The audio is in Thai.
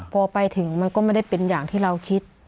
พอไปถึงมันก็ไม่ได้เป็นอย่างที่เราคิด